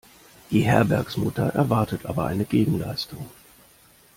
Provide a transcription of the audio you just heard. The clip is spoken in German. Die Herbergsmutter erwartet aber eine Gegenleistung.